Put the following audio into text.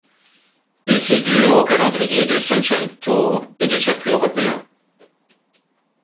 Il figure au calendrier du Sunshine Tour et du Circuit Européen.